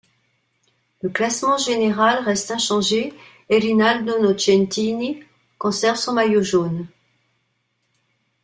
Le classement général reste inchangé et Rinaldo Nocentini conserve son maillot jaune.